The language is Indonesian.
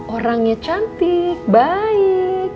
orangnya cantik baik